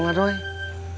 jangan sekarang lah doi